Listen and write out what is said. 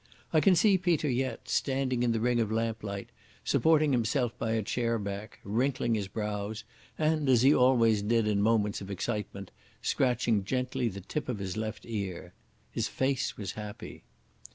I can see Peter yet, standing in the ring of lamplight, supporting himself by a chair back, wrinkling his brows and, as he always did in moments of excitement, scratching gently the tip of his left ear. His face was happy.